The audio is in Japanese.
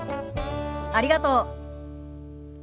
ありがとう。